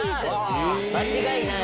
間違いない。